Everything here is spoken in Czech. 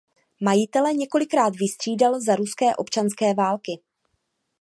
Majitele několikrát vystřídal za ruské občanské války.